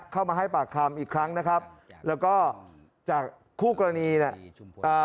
เข้ามาให้ปากคำอีกครั้งนะครับแล้วก็จากคู่กรณีเนี่ยเอ่อ